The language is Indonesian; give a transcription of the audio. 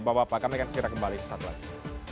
bapak bapak kami akan segera kembali ke satelit